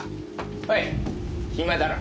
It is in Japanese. おい暇だろ。